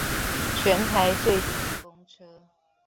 全台最賺公車